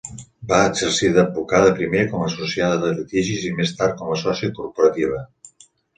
Va exercir d'advocada primer com a associada de litigis i més tard com a sòcia corporativa.